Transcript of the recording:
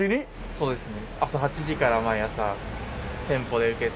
そうですね。